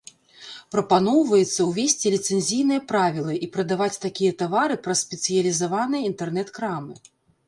Прапаноўваецца ўвесці ліцэнзійныя правілы і прадаваць такія тавары праз спецыялізаваныя інтэрнэт-крамы.